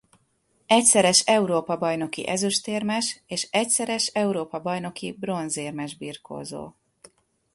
Egyszeres Európa-bajnoki ezüstérmes és egyszeres Európa-bajnoki bronzérmes birkózó.